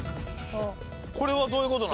これはどういう事なん？